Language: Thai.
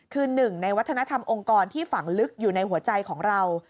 คือหนึ่งในวัฒนธรรมองค์กรที่ฝังลึกอยู่ในหัวใจของเรา